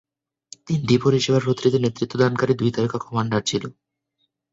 তিনটি পরিষেবার প্রতিটিতে নেতৃত্বদানকারী দুই তারকা কমান্ডার ছিল।